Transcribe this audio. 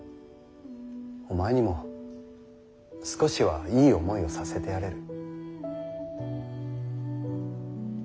お前にも少しはいい思いをさせてやれる。